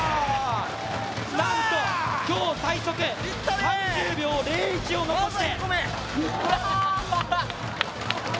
なんと、今日最速３０秒０１を残して。